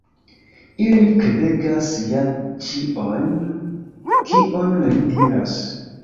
Ili kredegas ja ĉion, kion li diras.